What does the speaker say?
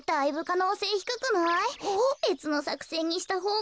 べつのさくせんにしたほうが。